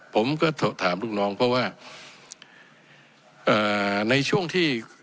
ผมก็ถามลูกน้องเพราะว่าในช่วงที่